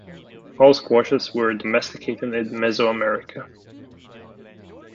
All squashes were domesticated in Mesoamerica.